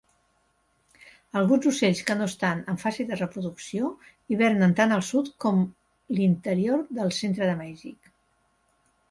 Alguns ocells que no estan en fase de reproducció hibernen tan al sud com l'interior del centre de Mèxic.